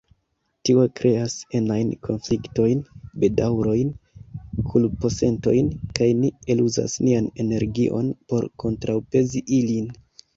Tio kreas enajn konfliktojn, bedaŭrojn, kulposentojn… kaj ni eluzas nian energion por kontraŭpezi ilin.